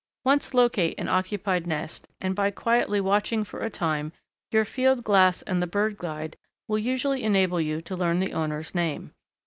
Once locate an occupied nest, and by quietly watching for a time, your field glass and bird guide will usually enable you to learn the owner's name.